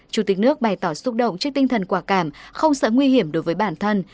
chủ tịch nước bày tỏ xúc động trước tinh thần quả cảm không sợ nguy hiểm đối với bản thân